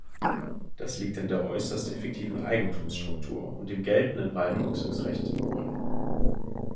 Das liegt an der äußerst effektiven Eigentumsstruktur und dem geltenden Waldnutzungsrecht in Polen.